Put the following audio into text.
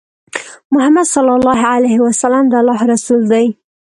محمد صلی الله عليه وسلم د الله رسول دی